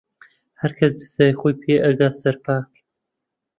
هەرکەس جەزای خۆی پێ ئەگا سەرپاک